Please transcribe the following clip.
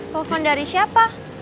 telepon dari siapa